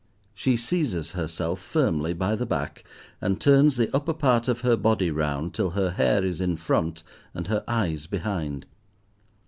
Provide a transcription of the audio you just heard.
She seizes herself firmly by the back, and turns the upper part of her body round till her hair is in front and her eyes behind.